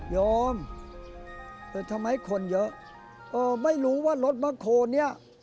ยอมเอ๊ะทำไมคนเยอะไม่รู้ว่ารถมะโคเนี่ย